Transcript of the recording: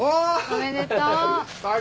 おめでとう！